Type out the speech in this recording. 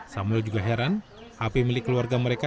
samuel juga heran hp milik keluarga mereka